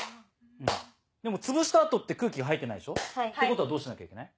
でもつぶした後って空気が入ってないでしょ？ってことはどうしなきゃいけない？